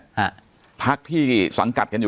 ช่วยคลิกไฟซ์ที่สังกัดเกิดอยู่